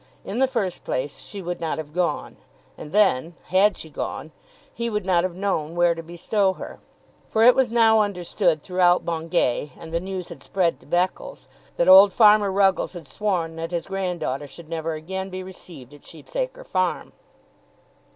In the first place she would not have gone. And then, had she gone, he would not have known where to bestow her. For it was now understood throughout Bungay, and the news had spread to Beccles, that old Farmer Ruggles had sworn that his granddaughter should never again be received at Sheep's Acre Farm.